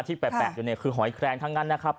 แปะอยู่เนี่ยคือหอยแครงทั้งนั้นนะครับ